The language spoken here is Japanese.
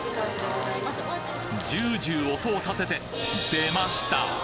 ジュージュー音を立てて出ました！